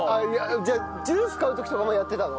じゃあジュース買う時とかもやってたの？